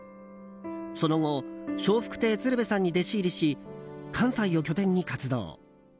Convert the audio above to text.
その後、笑福亭鶴瓶さんに弟子入りをし関西を拠点に活動。